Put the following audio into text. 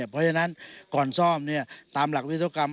เพราะฉะนั้นก่อนซ่อมตามหลักวิศวกรรม